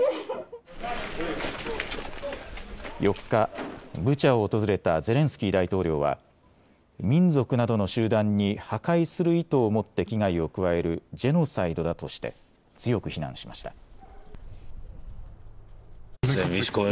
４日、ブチャを訪れたゼレンスキー大統領は民族などの集団に破壊する意図をもって危害を加えるジェノサイドだとして強く非難しました。